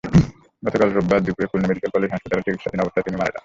গতকাল রোববার দুপুরে খুলনা মেডিকেল কলেজ হাসপাতালে চিকিৎসাধীন অবস্থায় তিনি মারা যান।